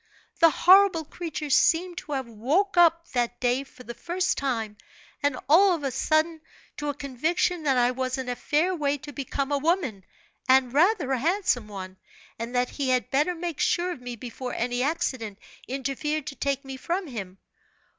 The horrible creature seemed to have woke up that day, for the first time, and all of a sudden, to a conviction that I was in a fair way to become a woman, and rather a handsome one, and that he had better make sure of me before any accident interfered to take me from him.